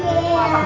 jujurlah kamu sih